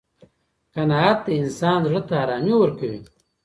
قناعت د انسان زړه ته ارامي ورکوي.